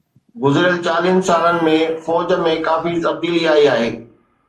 گذريل چاليهه سالن ۾ فوج ۾ ڪافي تبديلي آئي آهي